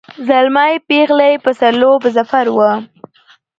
زلمی پېغله یې پسوللي په ظفر وه